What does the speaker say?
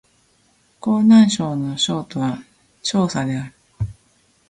湖南省の省都は長沙である